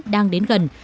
đang đến gần